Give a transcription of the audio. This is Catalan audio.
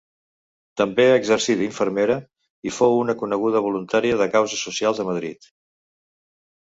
També exercí d'infermera i fou una coneguda voluntària de causes socials a Madrid.